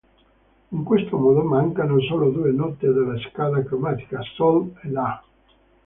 In questo modo mancano solo due note della scala cromatica, Sol♯ e La♯.